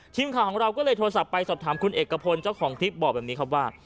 ทีมข่าวของเราก็เลยโทรศัพท์ไปสอบถามคุณเอกพลเจ้าของคลิปบอกแบบนี้ครับว่า